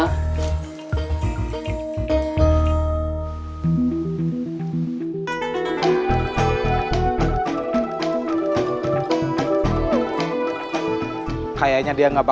bisa gak ada yang mau datang ke rumah